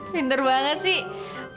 pinter banget sih